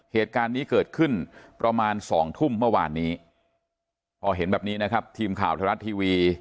เหตุการณ์นี้เกิดขึ้นประมาณ๒ทุ่มเมื่อวานนี้พอเห็นแบบนี้นะครับทีมข่าวไทยรัฐทีวี